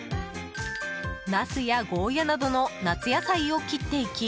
ナスやゴーヤなどの夏野菜を切っていき